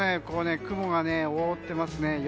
雲が覆っていますね。